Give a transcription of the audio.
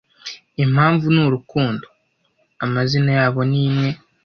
Impamvu nurukundo, amazina yabo ni imwe,